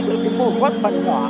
để cái môi quất phấn họa